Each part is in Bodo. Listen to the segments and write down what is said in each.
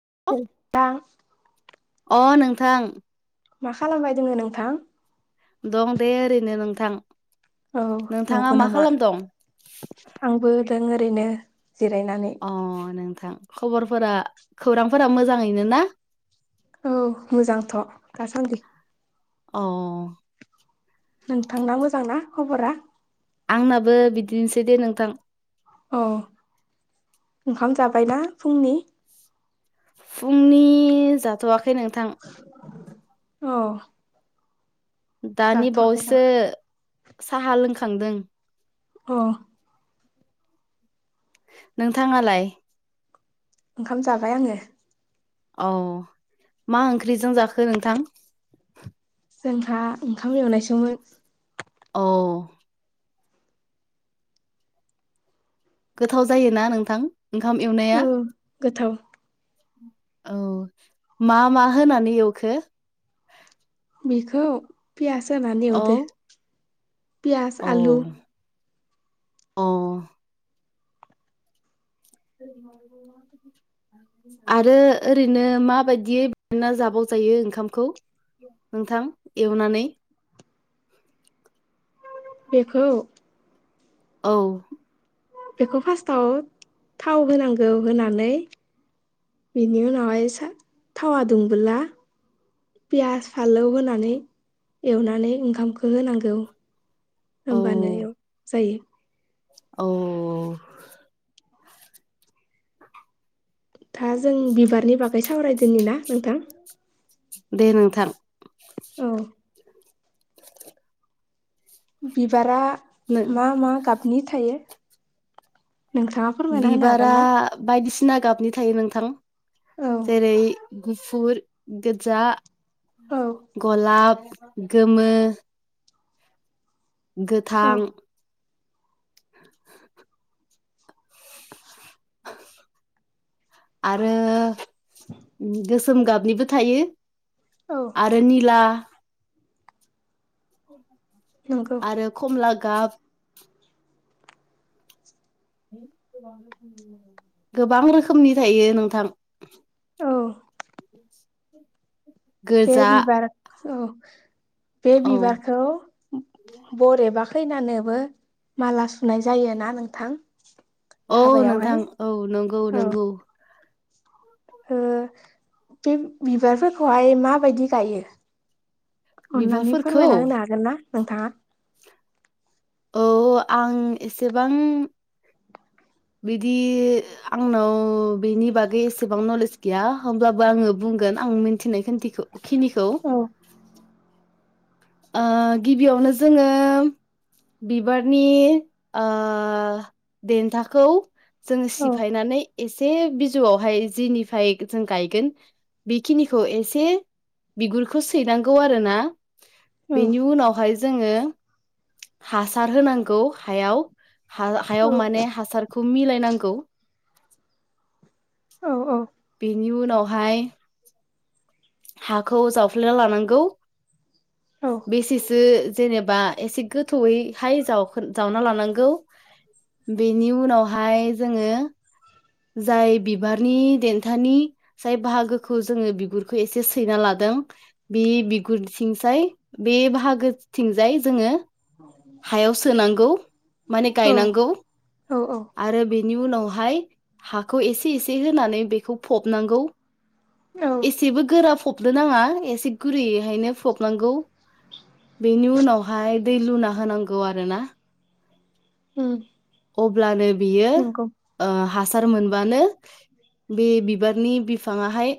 [inaudible] अ नोंथां। मा खालामबाय दोङो नोंथां? दं दे ओरैनो नोंथां। औ नोंथाङा नंगौ मा नामा? खालामदं आंबो दों ओरैनो। जिरायनानै अ नोंथां खबरफोरा खौरांफोरा मोजाङैनो ना? औ मोजांथ' दासान्दि। अ नोंथांना मोजांना खबरा? आंनाबो बिदिनोसै दे नोंथां। औ ओंखाम जाबायना फुंनि? फुंनि जाथ'आखै नोंथां। औ दानि जाथ'वाखै ना बावैसो साहा लोंखांदों। अ नोंथाङालाय? ओंखाम जाबाय आङो। औ मा ओंख्रिजों जाखो नोंथां? जोंहा ओंखाम एवनायसोमोन। अ गोथाव जायोना नोंथां ओंखाम एवनाया? औ गोथाव औ मा मा होनानै एवखो? बिखौ? पियास होनानै औ एवदों। पियाज औ आलु। अ आरो ओरैनो माबादियै एवना जाबाव जा जायो ओंखामखौ नोंथां एवनानै? [inaudible] बेखौ औ बेखौ फार्स्टआव थाव होनांगौ होनानै बेनि उनावहाय सा थावा दुंबोला पियास फालौ होनानै एवनानै ओंखामखौ होनांगौ। औ होमबानो एव जायो। औ था जों बिबारनि बागै सावरायदोनि ना नोंथां। दे नोंथां। औ बिबारा मा मा गाबनि थायो? नोंथाङा फोरमायना होनो हागोन बिबारा ना बायदिसिना गाबनि थायो नोंथां। थां औ जेरै गुफुर, गोजजा औ गलाब, गोमो औ गोथां आरो गोस सोम गाबनिबो थायो औ आरो निला नंगौ आरो खमला गाब गोबां रोखोमनि थायो नोंथां। औ बे गोजा बिबार औ बे औ बिबारखौ बरेबा फैनानैबो माला सुनाय जायोना नोंथां। औ हाबायावहाय नोंथां औ नंगौ औ नंगौ। ओ बे बिबारफोरखौहाय माबायदि गायो? अन्नानै बिबारफोरखौ फोरमायना होनो हागोन ना नोंथाङा? औ आं एसेबां बिदि आंनाव बिनि बागै एसेबां नलेज गैया होमब्लाबो आङो बुं गोन आं मिथिनायखिनथिखौ खिनिखौ औ ओ गिबियावनो जोङो बिबारनि ओ देन्थाखौ जोङो औ सिफायनानै एसे बिजौआवहाय जिनिफ्राय जों गायगोन बेखिनिखौ एसे बिगुरखौ सैनांगौ आरो ना औ बेनि उनावहाय जोङो हासार होनांगौ हायाव हा हायाव औ माने हासारखौ मिलायनांगौ औ औ बिनि उनावहाय हाखौ जावफ्लेना लानांगौ औ बेसेसो जेनेबा एसे गोथौयैहाय जाव-जावना लानांगौ। बेनि उनावहाय जोङो जाय बिबारनि देन्थानि जाय बाहागोखौ जोङो बिगुर खौ एसे सैना लादों बे बिगुरथिंजाय बे बाहागोथिंजाय जोङो हायाव सोनांगौ माने गायनांगौ औ आरो बे बेनि उनावहाय हाखौ एसे एसे होनानै बेखौ फबनांगौ। औ सेबो गोरा फबनो नाङा एसे गुरैयैहायनो फबनांगौ। बेनि उनावहाय दै लुना होनांगौ आरोना। उम अब्लानो बियो नंगौ ओ हासार सार मोनबानो बे बिबारनि बिफाङाहाय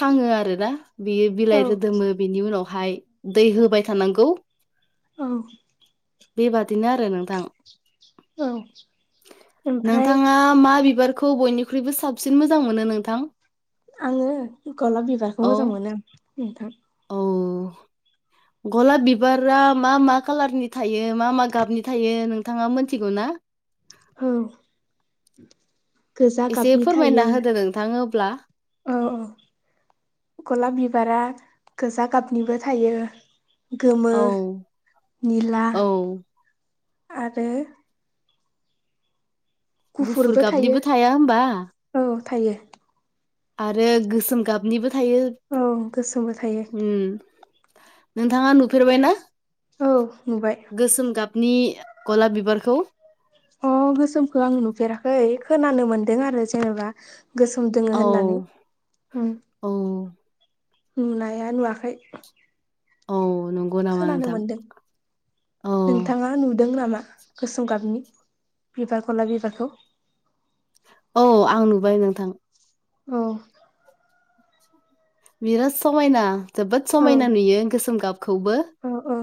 थाङो आरो ना बियो औ बिलाइ रोदोमो बिनि उनाव हाय दै होबाय थानांगौ औ बेबादिनो आरो नोंथां औ ओमफ्राय नोंथाङा मा बिबारखौ बयनिख्रुइबो साबसिन मोजां मोनो नोंथां आङो गलाब बिबारखौ औ मोजां मोनो आं नोंथां अ गलाब बिबारा मा मा खालारनि थायो मा मा गाबनि थायो नोंथाङा मोनथिगौ ना औ गोजा एसे गाबनि फोरमायना थायो होदो नोंथां अब्ला औ औ गलाब बिबारा गोजा गाबनिबो थायो गोमो औ निला औ आरो गुफुर गुफुरबो थायो गाबनिबो थाया होमबा औ थायो आरो गोसोम गाबनिबो थायो औ गोसोमबो थायो उम नोंथाङा नुफेरबायनाा औ नुबाय गोसोम गाबनि गलाब बिबारखौ अह गोसोमखौ आं नुफेराखै खोनानो मोनदों आरो जेनेबा गोसोम दङ औ होननानै औ नुनाया नुवाखै औ नंगौ नामा खोनानो नोंथां मोनदों औ नोंथाङा नुदों नामा गोसोम गाबनि बिबारखौ ला बिबारखौ औ आं नुबाय नोंथां औ बिराद समायना जोबोद औ समायना नुयो गोसोम गाबखौबो औ औ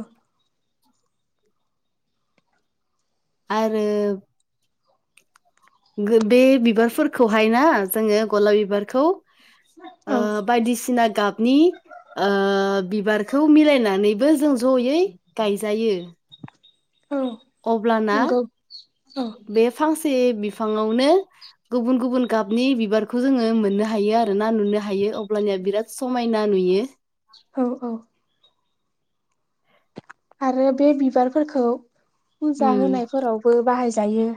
आरो बे बिबारफोरखौहाय ना जोङो गलाब बिबारखौ औ बायदिसिना गाबनि बिबारखौ मिलायनानैबो जों जयै गायजायो औ अब्लाना नंगौ औ बे फांसे से बिफाङावनो गुबुन गुबुन गाबनि बिबारखौ जोङो मोननो हायो आरोना नुनो हायो अब्लानिया बिराद समायना नुयो औ औ आरो बे बिबारफोरखौ फुजा उम होनायफोरावबो बाहायजायो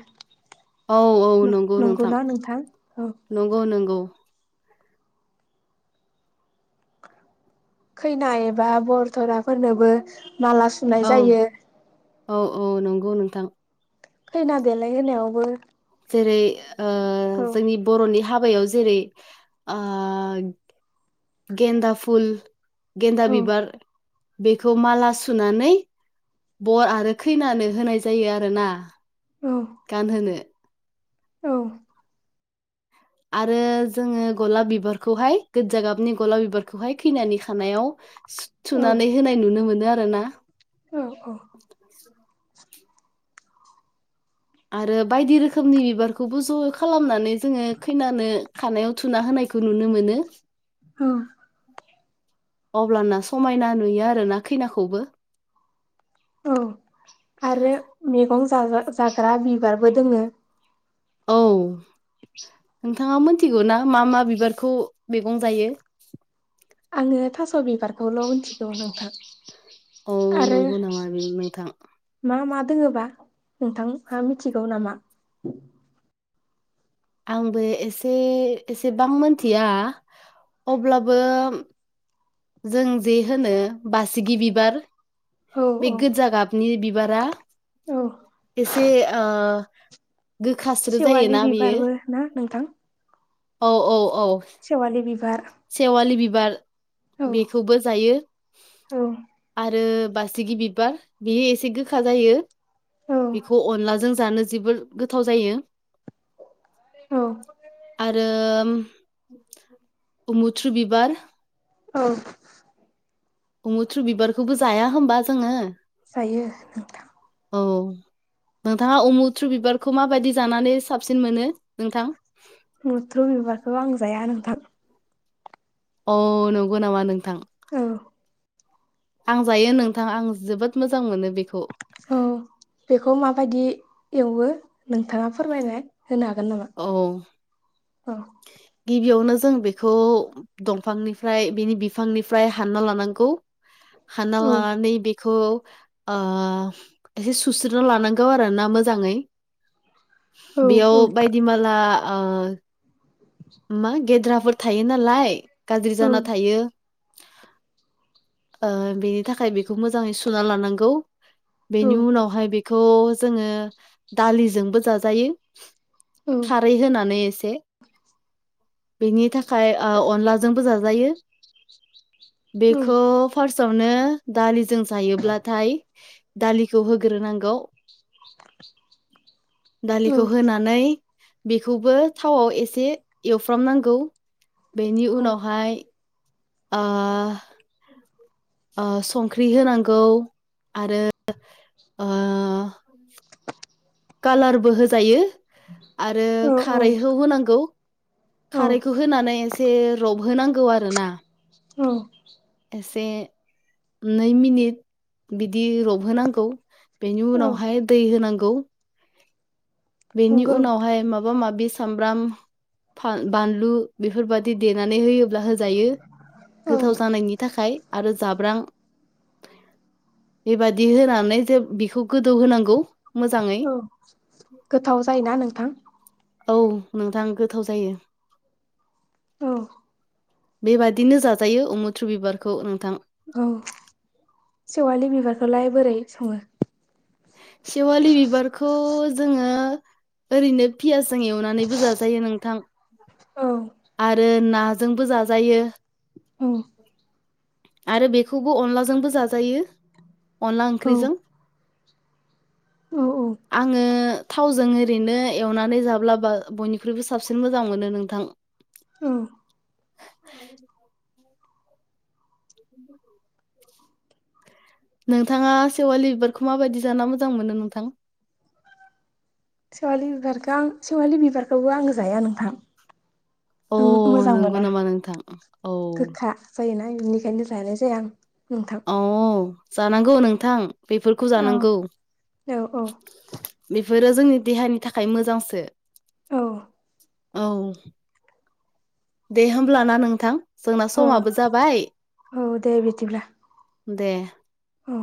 औ औ नंगौ नंगौना नोंथां औ नंगौ नंगौ खैना एबा बरधराफोरनोबो माला सुनाय औ जायो औ औ नंगौ नोंथां खैना देलाय होनायावबो जेरै औ जोंनि बर'नि हाबा हाबायाव जेरै गेन्दा फुल औ गेन्दा बिबार बेखौ माला सुनानै बर आरो खैनानो होनाय जायो आरोना औ गानहोनो औ आरो जोङो गलाब बिबारखौहाय गोजा गाबनि गलाब बिबारखौहाय खैनानि खानायाव औ थुनानै होनाय नुनो मोनो आरो ना औ [inaudible] आरो बायदि रोखोमनि बिबारखौबो ज' खालामनानै जोङो खैनानो खानायाव थुना होनाय खौ नुनो मोनो औ अब्लाना समायना नुयो आरोना खैनाखौबो औ आरो मैगं जाग्रा बिबारबो दङ औ नोंथाङा मिथिगौना मा मा बिबारखौ मैगं जायो आङो थास' बिबारखौल' मिथिगौ नोंथां औ आरो नंगौ नामा बे नोंथां मा मा दङोबा नोंथाङा मिथिगौ नामा आंबो एसे एसेबां मिथिया अब्लाबो जों जे होनो बासिगि बिबार औ बे औ गोजा गाबनि बिबारा औ एसे गोखास्रो सेवालि जायोना बेयो बिबारबो ना नोंथां औ-औ सेवालि बिबार सेवालि बिबार औ बेखौबो जायो औ आरो बासिगि बिबार बेयो एसे गोखा जायो औ बेखौ अनलाजों जानो जोबोर गोथाव जायो औ आरो अ मुथ्रु बिबार औ मुथ्रु बिबारखौबो जाया होमबा जोङो जायो नोंथां औ नोंथाङा उमुथ्रु बिबारखौ माबायदि जानानै साबसिन मोनो नोंथां मुथ्रु बिबारखौ आं जाया नोंथां अ नंगौ नामा नोंथां औ आं जायो नोंथां आं जोबोद मोजां मोनो बेखौ औ बेखौ माबायदि एवो नोंथाङा फोरमायना होनो हागोन नामा औ औ गिबियावनो जों बेखौ दंफांनिफ्राय बेनि बिफांनिफ्राय हानना लानांगौ [inaudible] हानना लानानै बे बेखौ एसे सुस्रोना लानांगौ आरोना मोजाङै औ बेयाव औ बायदि माला मा गेद्राफोर थायो नालाय गाज्रि औ जाना थायो बेनि थाखाय बेखौ मोजाङै सुना लानांगौ औ बेनि उनावहाय बेखौ जोङो दालिजोंबो जाजायो खारै होनानै एसे बेनि थाखाय अनलाजोंबो जाजायो बेखौ फार्स्टआवनो दालिजों जायोब्लाथाय दालिखौ होग्रोनांगौ दालिखौ होनानै बेखौबो थावआव एसे एवफ्रामनांगौ बेनि औ उनावहाय संख्रि होनांगौ आरो कालारबो होजायो आरो औ खारैखौ होनांगौ खारैखौ होनानै एसे रबहोनांगौ आरो ना औ एसे नै मिनिट बिदि रबहोनांगौ बेनि औ उनावहाय दै होनांगौ बेनि नंगौ उनावहाय माबा माबि सामब्राम बानलु बेफोरबादि देनानै देनानै होयोब्ला होजायो औ गोथाव जानायनि थाखाय आरो जाब्रां बेबादि होनानै जे बेखौ गोदौ होनांगौ मोजाङै गोथाव जायोना नोंथां औ नोंथां गोथाव जायो औ बेबायदिनो जाजायो उमुथ्र बिबारखौ नोंथां औ सेवालि बिबारखौलाय बोरै सङो सेवालि बिबारखौ जोङो ओरैनो पियासनि औ आरो नाजोंबो जाजायो [unintelligible] आरो बेखौबो अनलाजोंबो जाजायो औ औ औ आङो थावजों ओरैनो एवनानै जाब्लाबा बयनिख्रुइबो साबसिन मोजां मोनो नोंथां औ [inaudible] नोंथाङा सेवालि बिबारखौ माबायदि जाना मोजां मोनो नोंथां सेवालि बिबारखौ आं सेवालि बिबारखौबो आं जाया नोंथां अ [unintelligible] नंगौ नामा नोंथां औ बिनिखायनो जानाय जाया आं नोंथां औ जानांगौ नोंथां बेफोरखौ औ जानांगौ औ औ बेफोरो जोंनि देहानि थाखाय मोजांसो औ औ दे होमब्लाना नोंथां जोंना औ समाबो जाबाय औ दे बिदिब्ला दे औ